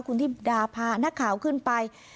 คุณธิดาพานักข่าวขึ้นไป